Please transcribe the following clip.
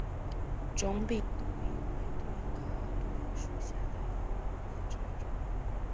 肿柄杜英为杜英科杜英属下的一个种。